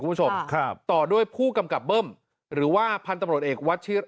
คุณผู้ชมครับต่อด้วยผู้กำกับเบิ้มหรือว่าพันธุ์ตำรวจเอกวัดชิด